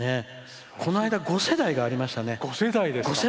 この間、五世代がありましたね。